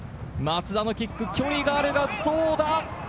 松田のキック距離があるが、どうだ？